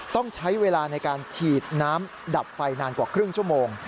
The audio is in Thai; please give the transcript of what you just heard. ต้องใช้เวลาในการฉีดน้ำดับไฟนานกว่าครึ่งชั่วโมง